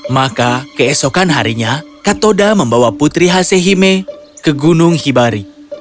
maka keesokan harinya katoda membawa putri hasehime ke gunung hibari